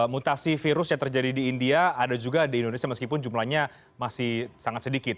mutasi virus yang terjadi di india ada juga di indonesia meskipun jumlahnya masih sangat sedikit